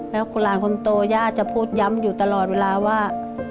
แล้วคุณหลานคนโตย่าจะพูดย้ำอยู่ตลอดเวลาว่า